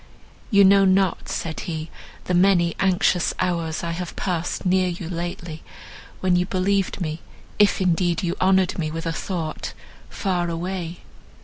"You know not," said he, "the many anxious hours I have passed near you lately, when you believed me, if indeed you honoured me with a thought, far away.